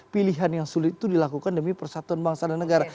pilihan yang sulit itu dilakukan demi persatuan bangsa dan negara